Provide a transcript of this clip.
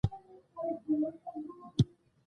زه له تا نه یوه پوښتنه لرم.